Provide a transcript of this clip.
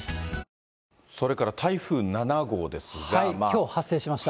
きょう発生しました。